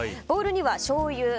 ボウルにはしょうゆ